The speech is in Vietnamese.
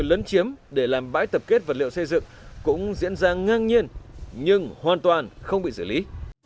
lấn chiếm để làm bãi tập kết vật liệu xây dựng cũng diễn ra ngang nhiên nhưng hoàn toàn không bị xử lý